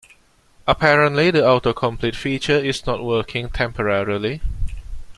Apparently, the autocomplete feature is not working temporarily.